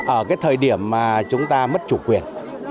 ở cái thời điểm mà chúng ta mất chủ quyền